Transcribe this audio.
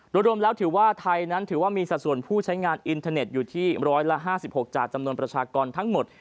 รวมแล้วถือว่าไทยนั้นถือว่ามีสัดส่วนผู้ใช้งานอินเทอร์เน็ตอยู่ที่๑๕๖จากจำนวนประชากรทั้งหมด